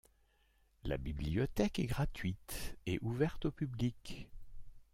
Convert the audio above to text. La bibliothèque est gratuite et ouverte au public.